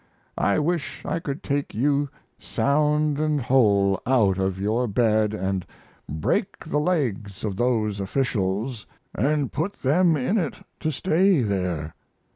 I wish I could take you sound & whole out of your bed & break the legs of those officials & put them in it to stay there.